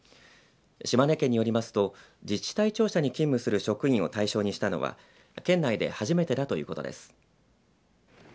島根県によりますと自治体庁舎に勤務する職員を対象にしたのは県内で初めてだということです。